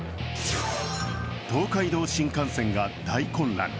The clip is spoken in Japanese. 東海道新幹線が大混乱。